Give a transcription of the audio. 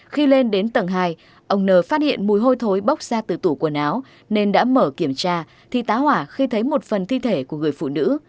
khi lên đến tầng hai ông n phát hiện mùi hôi thối bốc ra từ tủ quần áo nên đã mở kiểm tra thì tá hỏa khi thấy một phần thi thể của người phụ nữ